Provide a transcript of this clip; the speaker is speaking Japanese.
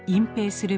する。